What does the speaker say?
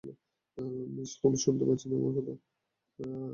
Miss Holmes, শুনতে পাচ্ছেন আমার কথা?